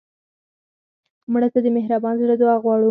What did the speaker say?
مړه ته د مهربان زړه دعا غواړو